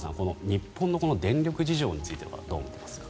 日本の電力事情についてはどう思いますか？